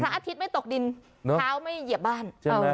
อาทิตย์ไม่ตกดินเท้าไม่เหยียบบ้าน